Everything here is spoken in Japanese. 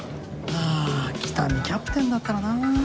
はあ喜多見キャプテンだったらなあ。